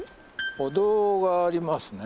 お堂がありますね。